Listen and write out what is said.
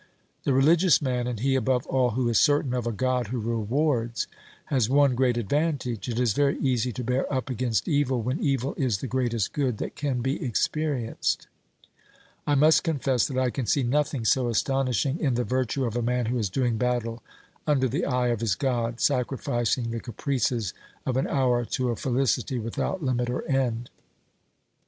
The religious man, and he above all who is certain of a God who rewards, has one great advantage ; it is very easy to bear up against evil when evil is the greatest good that can be experienced. I must confess that I can see nothing so astonishing in the virtue of a man who is doing battle under the eye of his God, sacrificing the caprices of an hour to a felicity without limit or end.